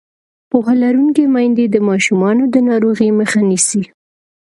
پوهه لرونکې میندې د ماشومانو د ناروغۍ مخه نیسي.